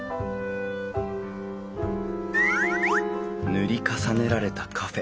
「塗り重ねられたカフェ」